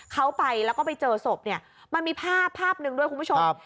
เขาไปแล้วก็ไปเจอศพเนี่ยมันมีภาพภาพหนึ่งด้วยคุณผู้ชม